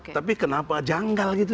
tapi kenapa janggal gitu